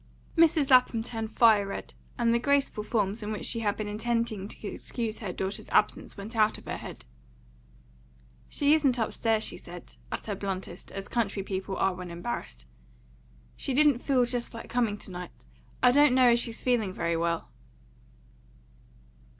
Mrs. Lapham turned fire red, and the graceful forms in which she had been intending to excuse her daughter's absence went out of her head. "She isn't upstairs," she said, at her bluntest, as country people are when embarrassed. "She didn't feel just like coming to night. I don't know as she's feeling very well."